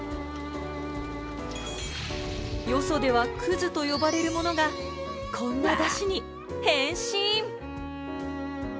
よそでは、くずと呼ばれるものがこんなだしに変身。